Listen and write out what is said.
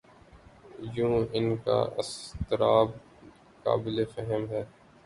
یوں ان کا اضطراب قابل فہم ہے۔